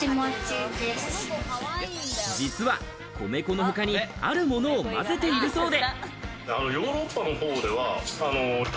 実は米粉の他にあるものを混ぜているそうで。